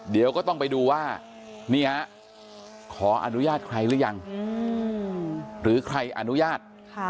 เดียวก็ต้องไปดูว่านี้อ่ะอาจภายหรือยังหรือใครอนุญาต